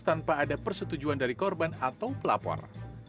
tanpa ada persetujuan dari korban atau pelapor